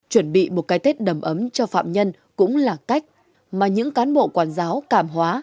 chuẩn bị một cái tết đầm ấm cho phạm nhân cũng là cách mà những cán bộ quản giáo cảm hóa